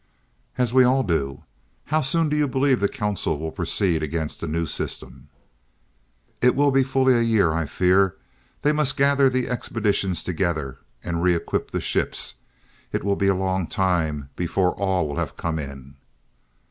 "As we all do. How soon do you believe the Council will proceed against the new system?" "It will be fully a year, I fear. They must gather the expeditions together, and re equip the ships. It will be a long time before all will have come in."